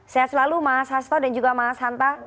sehat selalu mas hasto dan juga mas hanta